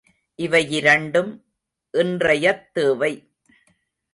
இவையிரண்டும் இன்றையத் தேவை!